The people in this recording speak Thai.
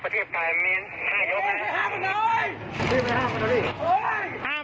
สุดท้ายนี้ครับเปล่า